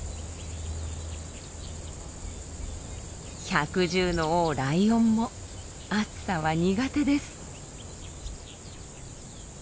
百獣の王ライオンも暑さは苦手です。